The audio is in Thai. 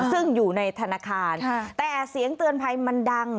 ซึ่งอยู่ในธนาคารแต่เสียงเตือนภัยมันดัง